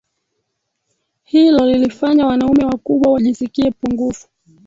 Hilo lilifanya wanaume wakubwa wajisikie pungufu